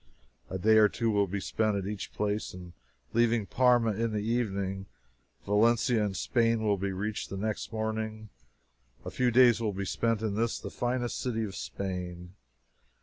A day or two will be spent at each place, and leaving Parma in the evening, Valencia in Spain will be reached the next morning. A few days will be spent in this, the finest city of Spain.